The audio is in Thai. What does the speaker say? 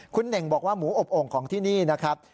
คุณเน่งบอกว่าหมูอบโอ่งของที่นี่นะครับ